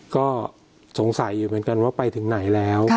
ก็สงสัยอยู่เหมือนกันว่าไปถึงไหนแล้ว